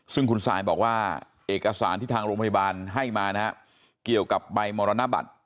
ซึ่งคุณซายบอกว่าเอกสารที่ทางโรงพยาบาลให้มานะฮะเกี่ยวกับใบมรณบัตร